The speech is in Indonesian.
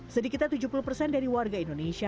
sedikitnya tujuh puluh persen dari warga indonesia